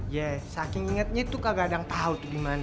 ya saking ingetnya tuh gak ada yang tau dimana